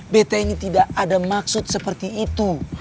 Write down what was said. bt ini tidak ada maksud seperti itu